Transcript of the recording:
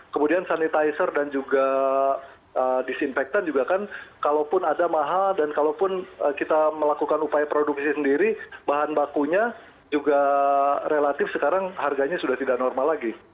kemudian sanitizer dan juga disinfektan juga kan kalaupun ada mahal dan kalaupun kita melakukan upaya produksi sendiri bahan bakunya juga relatif sekarang harganya sudah tidak normal lagi